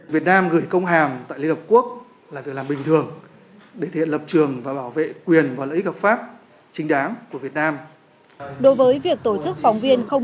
việt nam gửi công hàm tại liên hợp quốc là việc làm bình thường